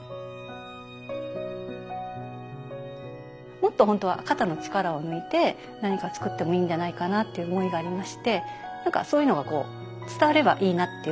もっと本当は肩の力を抜いて何か作ってもいいんじゃないかなっていう思いがありまして何かそういうのがこう伝わればいいなっていうふうに思うんですね。